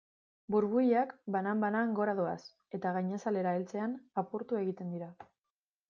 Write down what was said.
Burbuilak banan-banan gora doaz eta gainazalera heltzean apurtu egiten dira.